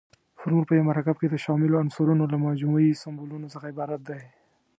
فورمول په یو مرکب کې د شاملو عنصرونو له مجموعي سمبولونو څخه عبارت دی.